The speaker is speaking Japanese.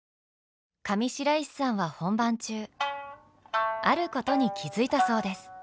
上白石さんは本番中あることに気付いたそうです。